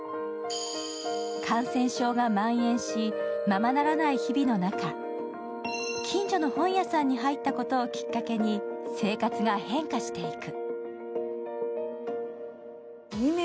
感染症がまん延、ままならない日々の中、近所の本屋さんに入ったことをきっかけに生活が変化していく。